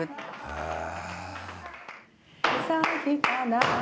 「へえ」